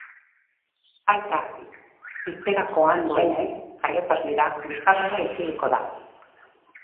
Aita hiltzerakoan duenez jaioterrira, Lizarrara itzuliko da.